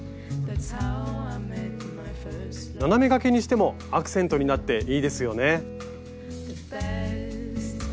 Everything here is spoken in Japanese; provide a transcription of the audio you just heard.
斜めがけにしてもアクセントになっていいですよね。